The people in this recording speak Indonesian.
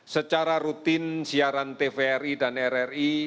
secara rutin siaran tvri dan rri